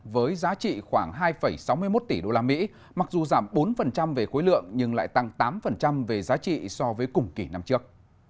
với giá trị khoảng hai sáu mươi một tỷ usd mặc dù giảm bốn về khối lượng nhưng lại tăng tám về giá trị so với cùng kỳ năm trước